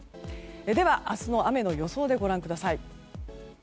では明日の雨の予想でご覧ください。